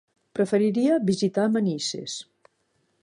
Preferiria visitar Manises.